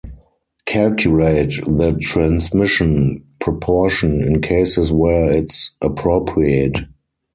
Calculate the transmission proportion in cases where it’s appropriate.